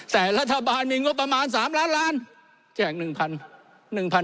แต่รัฐบาลมีงบประมาณ๓ล้านล้านแจก๑๐๐